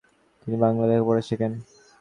তিনি বাংলা লেখাপড়া শেখেন।